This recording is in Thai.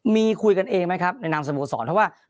มีคุยกันเองไหมครับในนามสมโศกรรม